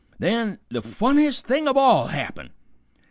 Then the funniest thing of all happened.